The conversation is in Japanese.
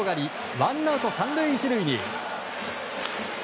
ワンアウト３塁１塁に。